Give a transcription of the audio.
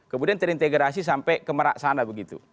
kemudian terintegrasi sampai ke meraksana begitu